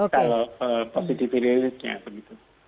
kalau positivity rate nya begitu